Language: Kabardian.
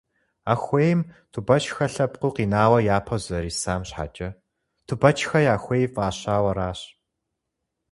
А хуейм Тубэчхэ лъэпкъыу къинауэ япэу зэрисам щхьэкӏэ, «Тубэчхэ я хуей» фӏащауэ аращ.